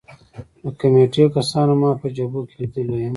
د کمېټې کسانو ما په جبهو کې لیدلی یم